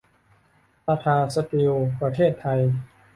ทาทา สตีล ประเทศไทย